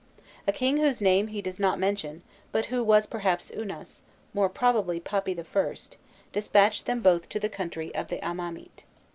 A king whose name he does not mention, but who was perhaps Unas, more probably Papi I., despatched them both to the country of the Amamît.